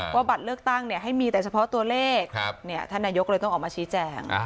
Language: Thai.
บัตรเลือกตั้งให้มีแต่เฉพาะตัวเลขท่านนายกเลยต้องออกมาชี้แจง